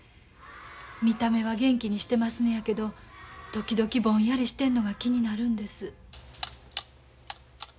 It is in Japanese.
見た目は元気にしてますねやけど時々ぼんやりしてんのが気になるんです。